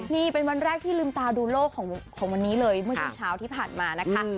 นี่เป็นวันแรกที่ลืมตาดูโลกของเมื่อชิ้นเช้าที่ผ่านมานะคะ